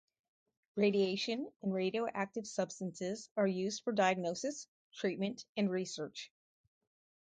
Radiation and radioactive substances are used for diagnosis, treatment, and research.